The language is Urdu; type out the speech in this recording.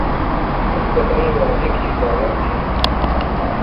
اب پتنگ اڑانے کی اجازت تھی۔